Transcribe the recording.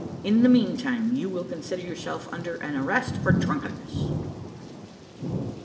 In the meantime, you will consider yourself under an arrest for drunkenness."